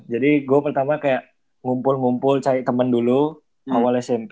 jadi gue pertama kayak ngumpul ngumpul cari temen dulu awal smp